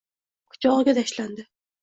Quchog‘iga tashlandi